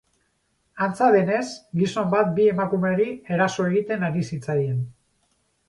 Antza denez, gizon bat bi emakumeri eraso egiten ari zitzaien.